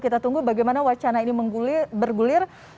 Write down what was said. kita tunggu bagaimana wacana ini bergulir